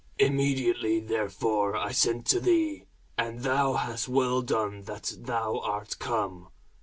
Immediately therefore I sent to thee; and thou hast well done that thou art come.